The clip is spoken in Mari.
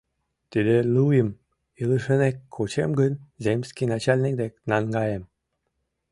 «Тиде луйым, илышынек кучем гын, земский начальник дек наҥгаем.